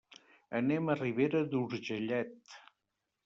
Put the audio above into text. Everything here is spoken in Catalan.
Anem a Ribera d'Urgellet.